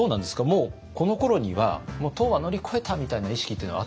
もうこのころにはもう唐は乗り越えたみたいな意識っていうのはあったんですか？